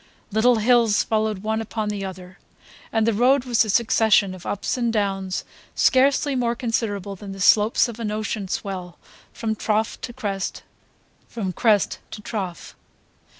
Little hills followed one upon the other, and the road was a succession of ups and downs scarcely more considerable than the slopes of an ocean swell, from trough to crest, from crest to trough.